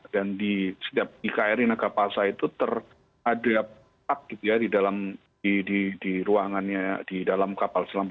dan di kri nagapasa itu terhadap di dalam kapal selam